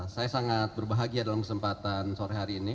saya sangat berbahagia dalam kesempatan sore hari ini